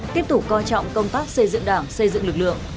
tiếp tục coi trọng công tác xây dựng đảng xây dựng lực lượng